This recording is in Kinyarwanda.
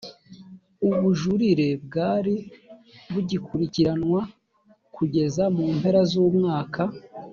ubujurire bwari bugikurikiranwa kugeza mu mpera z umwaka